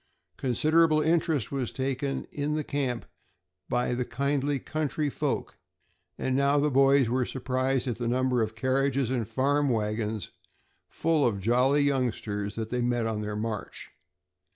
Considerable interest was taken in the camp by the kindly country folk, and now the boys were surprised at the number of carriages and farm wagons, full of jolly youngsters, that they met on their march.